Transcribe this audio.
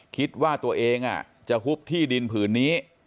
คิดว่าตัวเองจะฮุบที่ดินผืนนี้